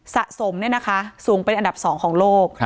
สะสมเนี่ยนะคะสูงเป็นอันดับ๒ของโลก